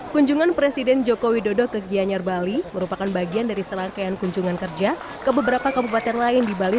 kunjungan presiden joko widodo ke gianyar bali merupakan bagian dari serangkaian kunjungan kerja ke beberapa kabupaten lain di bali